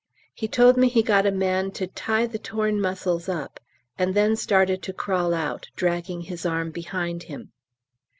He told me he got a man "to tie the torn muscles up," and then started to crawl out, dragging his arm behind him.